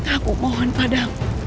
aku mohon padamu